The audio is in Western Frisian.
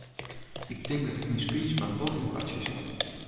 Ik tink dat ik myn speech mar bot ynkoartsje sil.